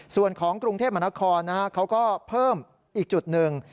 ส่วนของกรุงเทพมนครเขาก็เพิ่มอีกจุดหนึ่ง